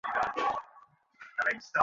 কি দেখে বিয়া করলা?